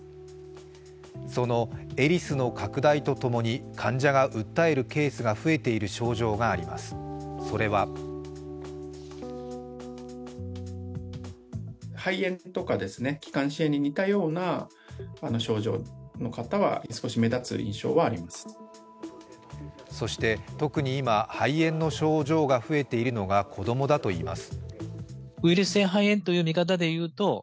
そのエリスの拡大とともに、患者が訴えるケースが増えている症状があります、それはそして、特に今、肺炎の症状が増えているのが子供だといいます。